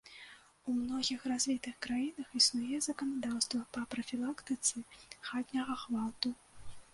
У многіх развітых краінах існуе заканадаўства па прафілактыцы хатняга гвалту.